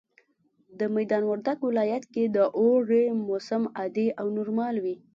د ميدان وردګ ولايت کي د اوړي موسم عادي او نورمال وي